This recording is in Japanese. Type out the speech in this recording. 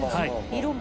色も。